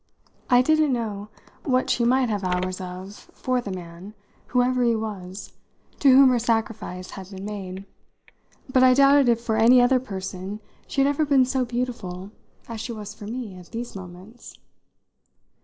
I didn't know what she might have hours of for the man whoever he was to whom her sacrifice had been made; but I doubted if for any other person she had ever been so beautiful as she was for me at these moments.